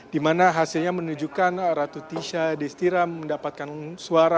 dimana hasilnya menunjukkan ratu tisha destiram mendapatkan suara lima puluh empat